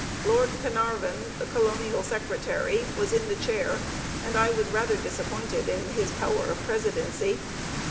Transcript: Lord Carnarvon [the colonial secretary] was in the chair, and I was rather disappointed in his power of presidency.